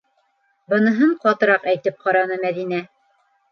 - Быныһын ҡатыраҡ әйтеп ҡараны Мәҙинә.